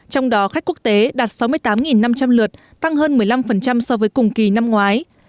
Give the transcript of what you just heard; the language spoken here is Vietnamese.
trong đó khách quốc tế đạt sáu mươi tám năm trăm linh lượt tăng hơn một mươi năm so với cùng kỳ năm ngoái